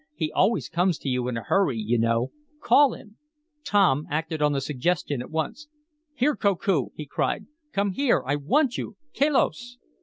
"He always comes to you in a hurry, you know. Call him!" Tom acted on the suggestion at once. "Here, Koku!" he cried. "Come here, I want you! Kelos!"